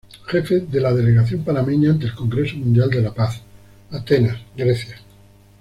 Jefe de la delegación panameña ante el Congreso Mundial de la Paz, Atenas, Grecia.